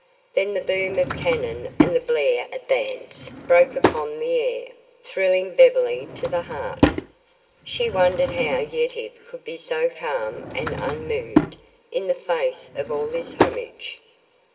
Then the boom of cannon and the blare of bands broke upon the air, thrilling Beverly to the heart. She wondered how Yetive could be so calm and unmoved in the face of all this homage.